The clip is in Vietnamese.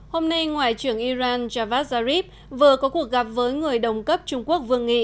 hôm nay ngoại trưởng iran javad zarif vừa có cuộc gặp với người đồng cấp trung quốc vương nghị